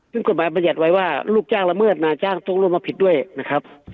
ซึ่งกฎหมายบรรยัติไว้ว่าลูกจ้างละเมิดนายจ้างต้องร่วมรับผิดด้วยนะครับ